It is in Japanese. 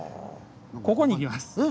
ここに行きます。